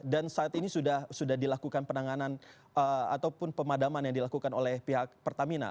dan saat ini sudah dilakukan penanganan ataupun pemadaman yang dilakukan oleh pihak pertamina